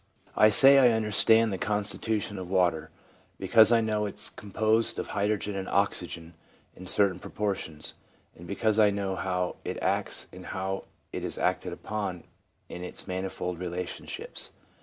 I say I understand the con stitution of water, because I know it is composed of hydrogen and oxygen in certain proportions, and be cause I know how it acts and how it is acted upon in its manifold relationships.